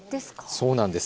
そうなんです。